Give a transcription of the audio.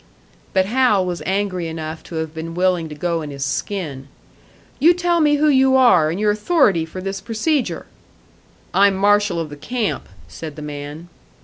But Hal was angry enough to have been willing to go in his skin. "You tell me who you are, and your authority for this procedure?" "I'm marshal of the camp," said the man.